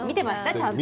ちゃんと。